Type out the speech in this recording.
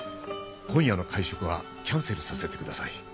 今夜の会食はキャンセルさせてください。